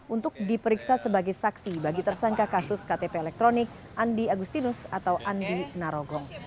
untuk diperiksa sebagai saksi bagi tersangka kasus ktp elektronik andi agustinus atau andi narogong